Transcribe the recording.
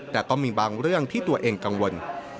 แต่ก็มีบางเรื่องที่ตัวเองกังวล